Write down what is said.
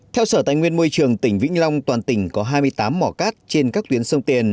theo sở tài nguyên môi trường tỉnh vĩnh long toàn tỉnh có hai mươi tám mỏ cát trên các tuyến sông tiền